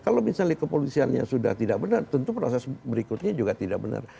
kalau misalnya kepolisiannya sudah tidak benar tentu proses berikutnya juga tidak benar